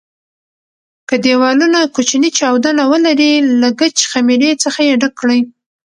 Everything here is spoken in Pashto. که دېوالونه کوچني چاودونه ولري له ګچ خمېرې څخه یې ډک کړئ.